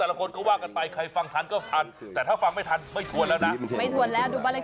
เลขเหล่านี้นี่มาจากไหนโอ้โฮขนลูกเล้ว